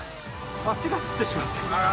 足がつってしまって。